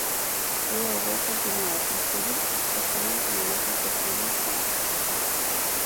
E eu vou continuar a escribir exactamente no mesmo que escribín sempre.